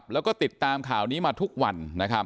แล้วก็ติดตามข่าวนี้มาทุกวัน